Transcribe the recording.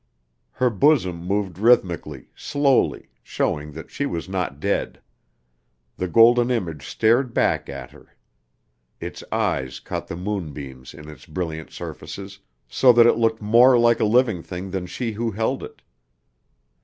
Her bosom moved rhythmically, slowly, showing that she was not dead. The golden image stared back at her. Its eyes caught the moonbeams in its brilliant surfaces, so that it looked more a living thing than she who held it.